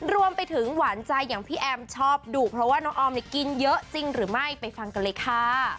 รวมไปถึงหวานใจอย่างพี่แอมชอบดุเพราะว่าน้องออมเนี่ยกินเยอะจริงหรือไม่ไปฟังกันเลยค่ะ